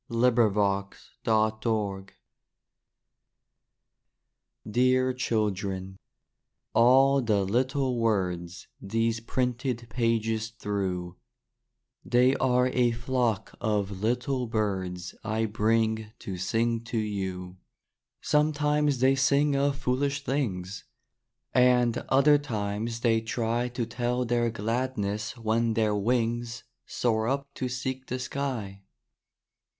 _Dear Children, all the little words These printed pages through, They are a flock of little birds I bring to sing to you. Sometimes they sing of foolish things, And other times they try To tell their gladness when their wings Soar up to seek the sky.